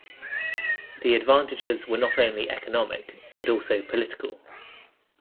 The advantages were not only economic, but also political.